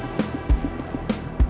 gak ada yang mau ngomong